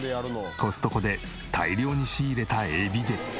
コストコで大量に仕入れたエビで。